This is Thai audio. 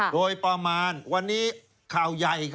โดยประมาณวันนี้ข่าวใหญ่